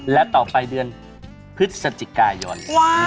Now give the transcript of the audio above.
และต่อไปเดือนพฤศจิกายน